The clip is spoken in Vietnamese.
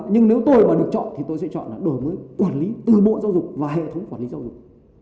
nhưng nếu tôi mà được chọn thì tôi sẽ chọn là đổi mới quản lý từ bộ giáo dục và hệ thống quản lý giáo dục